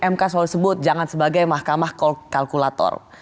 mk selalu sebut jangan sebagai mahkamah kalkulator